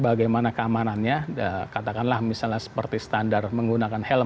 bagaimana keamanannya katakanlah misalnya seperti standar menggunakan helm